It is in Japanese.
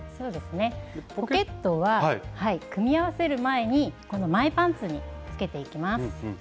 ポケットは組み合わせる前にこの前パンツにつけていきます。